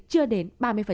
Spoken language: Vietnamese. chưa đến ba mươi